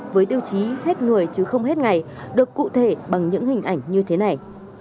với tiêu chí hết người chứ không hết ngày được cụ thể bằng những hình ảnh như thế này